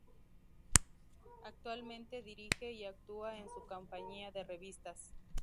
Actualmente, dirige y actúa en su "compañía de revistas".